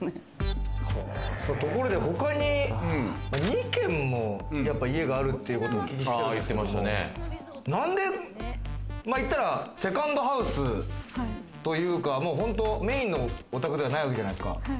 ところで他に２軒も家があるってことをお聞きして、何で言ったら、セカンドハウスというか、メインのお宅ではないわけじゃないですか。